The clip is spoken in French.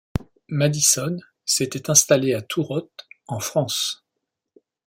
Maddison s'était installé à Thourotte, en France.